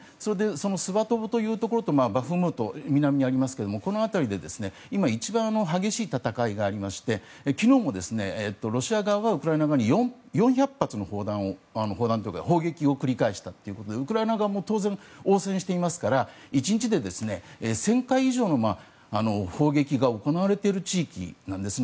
そのスバトボというところとバフムト、南にありますけどもこの辺りで今一番激しい戦いがありまして昨日も、ロシア側がウクライナ側に４００発の砲撃を繰り返したということでウクライナ側も当然、応戦していますから１日で１０００回以上の砲撃が行われている地域なんです。